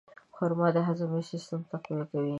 خرما د هاضمې سیستم تقویه کوي.